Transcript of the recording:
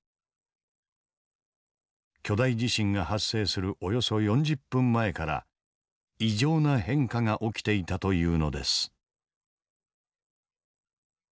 巨大地震が発生するおよそ４０分前から異常な変化が起きていたというのです。